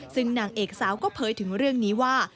ซึ่งนางเอกสาวก็เผยถึงเรื่องนี้ว่า